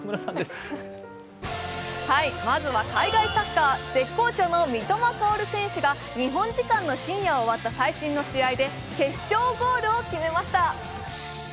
まずは海外サッカー、絶好調の三笘薫選手が日本時間の深夜終わった最新の試合で決勝ゴールを決めました。